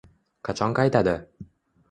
Qachon qaytadi?